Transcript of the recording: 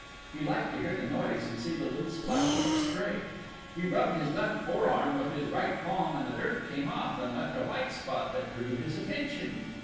He liked to hear the noise and see the little splashes of spray. He rubbed his left forearm with his right palm and the dirt came off and left a white spot that drew his attention.